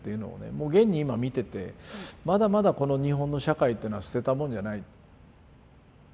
もう現に今見ててまだまだこの日本の社会っていうのは捨てたもんじゃない。